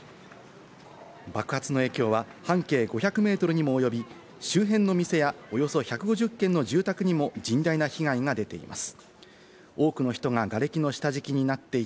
爆発の影響は半径５００ｍにもおよび、周辺の店やおよそ１５０軒の住宅にも甚大な被害が出ています。